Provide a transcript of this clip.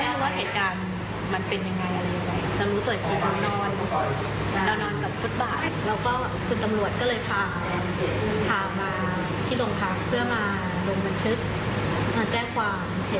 มาแจ้งความเหตุทำลายร่างกายแล้วก็พาไปส่งกันเวลา